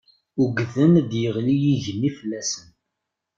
Ugden ad d-yeɣli yigenni fell-asen.